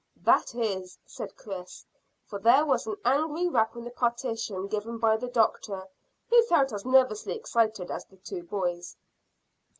"That is," said Chris, for there was an angry rap on the partition, given by the doctor, who felt as nervously excited as the two boys.